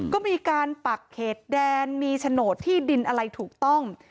ก็มีการปักเขตแดนมีโฉนดที่ดินอะไรถูกต้อง